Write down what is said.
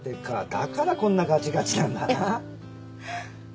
だからこんなガチガチなんだな。